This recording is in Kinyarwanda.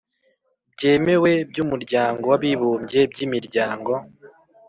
byemewe by'umuryango w'abibumbye, by'imiryango